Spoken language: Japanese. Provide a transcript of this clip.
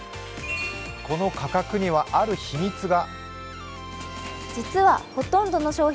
この価格には、ある秘密が。